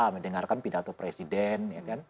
mendengarkan pidato presiden